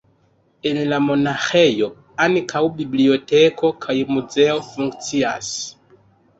En la monaĥejo ankaŭ biblioteko kaj muzeo funkcias.